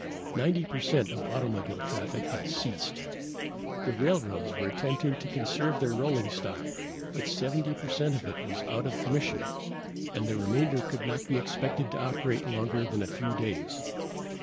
Ninety percent of automobile traffic had ceased. The railroads were attempting to conserve their rolling stock, but 70 percent of it was out of commission, and the remainder could not be expected to operate longer than a few days.